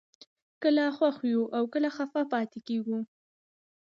کله خوښ یو او کله خفه پاتې کېږو